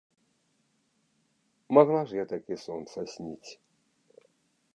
Магла ж я такі сон сасніць.